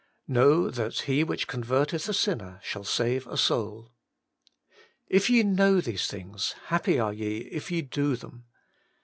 ' Know that he which converteth a sinner shall save a soul' If ye kriozv these things, happy are ye if you do them.'